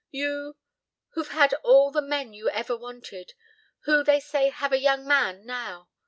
You, who've had all the men you ever wanted. Who, they say, have a young man now.